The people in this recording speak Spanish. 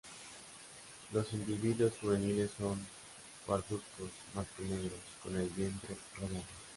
Los individuos juveniles son parduzcos más que negros, con el vientre rayado.